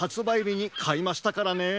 びにかいましたからね。